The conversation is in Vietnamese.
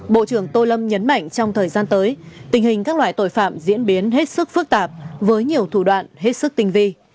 bộ trưởng tô lâm nhấn mạnh trong thời gian tới tình hình các loại tội phạm diễn biến hết sức phức tạp với nhiều thủ đoạn hết sức tinh vi